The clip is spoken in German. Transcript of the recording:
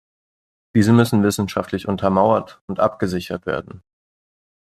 Diese müssen wissenschaftlich untermauert und abgesichert werden.